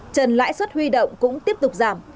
trần lãi suất huy động cũng tiếp tục giảm